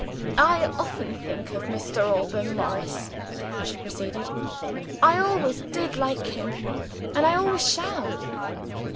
"I often think of Mr. Alban Morris," she proceeded. "I always did like him, and I always shall."